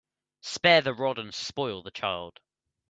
Spare the rod and spoil the child.